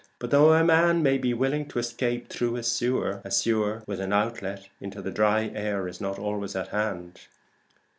But though a man may be willing to escape through a sewer, a sewer with an outlet into the dry air is not always at hand.